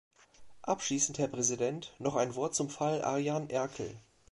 Abschließend, Herr Präsident, noch ein Wort zum Fall Arjan Erkel.